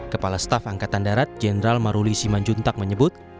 kepala staf angkatan darat jenderal maruli simanjuntak menyebut